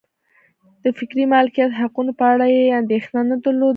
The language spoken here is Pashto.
د فکري مالکیت حقونو په اړه یې اندېښنه نه درلوده.